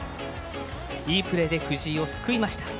いいプレーで藤井を救いました。